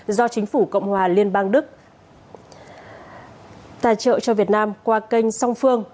do chính phủ cộng hòa liên bang đức tài trợ cho việt nam qua kênh song phương